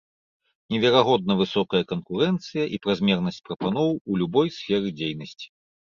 Неверагодна высокая канкурэнцыя і празмернасць прапаноў у любой сферы дзейнасці.